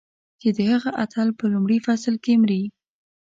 چې د هغه اتل په لومړي فصل کې مري.